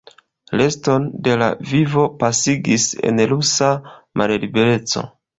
Reston de la vivo pasigis en rusa mallibereco.